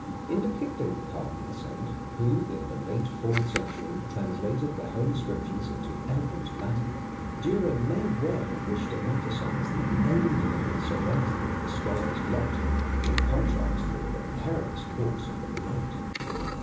In depicting the Cardinal Saint, who in the late fourth century translated the Holy Scriptures into eloquent Latin, Dürer may well have wished to emphasize the enviable serenity of the scholar's lot in contrast with the perilous course of the Knight.